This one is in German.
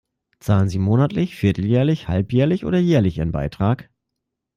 Zahlen sie monatlich, vierteljährlich, halbjährlich oder jährlich ihren Beitrag?